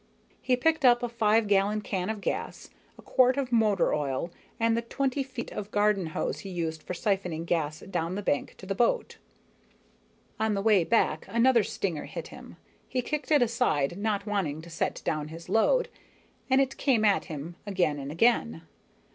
He picked up a five gallon can of gas, a quart of motor oil, and the twenty feet of garden hose he used for siphoning gas down the bank to the boat. On the way back, another stinger hit him. He kicked it aside, not wanting to set down his load, and it came at him again and again.